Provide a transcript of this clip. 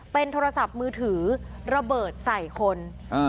เป็นโทรศัพท์มือถือระเบิดใส่คนอ่า